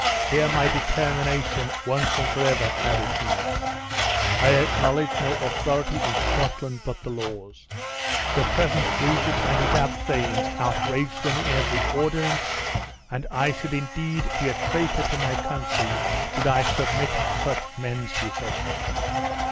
Hear my determination, once and forever!" added he. "I acknowledge no authority in Scotland but the laws. The present regent and his abthanes outrage them in every ordinance, and I should indeed be a traitor to my country did I submit to such men's behests.